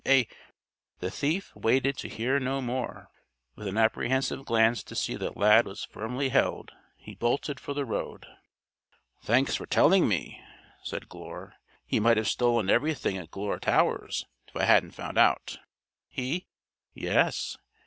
A " The thief waited to hear no more. With an apprehensive glance to see that Lad was firmly held, he bolted for the road. "Thanks for telling me," said Glure. "He might have stolen everything at Glure Towers if I hadn't found out. He " "Yes.